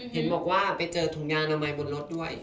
เห็นบอกว่าไปเจอถุงยางอนามัยบนรถด้วย